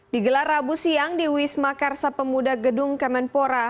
digelar rabu siang di wisma karsa pemuda gedung kemenpora